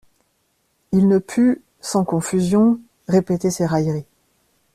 Il ne put, sans confusion, répéter ses railleries.